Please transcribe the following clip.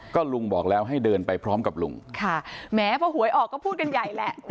ก็ลุงบอกแล้วให้เดินไปพร้อมกับลุงค่ะแม้พอหวยออกก็พูดกันใหญ่แหละ